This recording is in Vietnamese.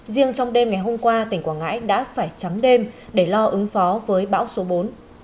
riêng trong đêm ngày hôm qua tỉnh quảng ngãi đã phải trắng đêm để lo ứng phó với bão số bốn